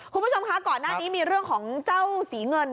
คุณผู้ชมคะก่อนหน้านี้มีเรื่องของเจ้าสีเงิน